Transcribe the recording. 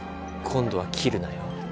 今度は斬るなよ。